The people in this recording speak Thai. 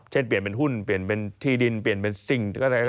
เช่นเปลี่ยนเป็นหุ้นเปลี่ยนเป็นที่ดินเปลี่ยนเป็นซิ่ง